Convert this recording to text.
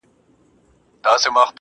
ستا د ښار د ښایستونو په رنګ ـ رنګ یم.